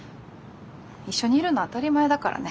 一緒にいるの当たり前だからね